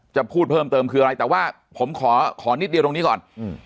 จะพูดเพิ่มเติมคืออะไรแต่ว่าผมขอขอนิดเดียวตรงนี้ก่อนอืม